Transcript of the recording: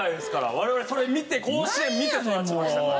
我々それを見て甲子園を見て育ちましたから。